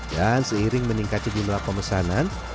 dan seiring meningkatkan jumlah pemesanan